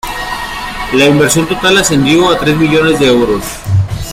La inversión total ascendió a tres millones de euros.